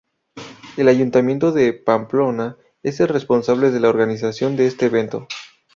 El Ayuntamiento de Pamplona es el responsable de la organización de este evento.